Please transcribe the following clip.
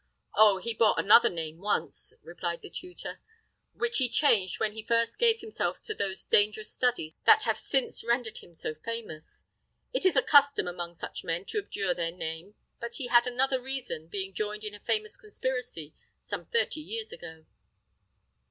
"Oh! he bore another name once," replied the tutor, "which he changed when he first gave himself to those dangerous studies that have since rendered him so famous. It is a custom among such men to abjure their name; but he had another reason, being joined in a famous conspiracy some thirty years ago."